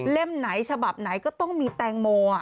ไหนฉบับไหนก็ต้องมีแตงโม